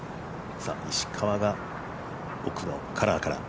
石川が奥のカラーから。